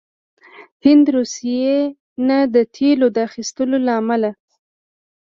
هند روسيې نه د تیلو د اخیستلو له امله